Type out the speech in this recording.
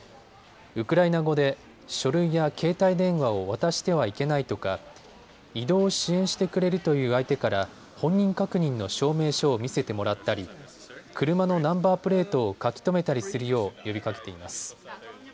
ウクライナ語で書類や携帯電話を渡してはいけないとか移動を支援してくれるという相手から本人確認の証明書を見せてもらったり車のナンバープレートを書き留めたりするよう呼びかけています。